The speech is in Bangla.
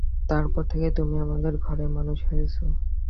তার পর থেকেই তুমি আমাদের ঘরে মানুষ হয়েছ।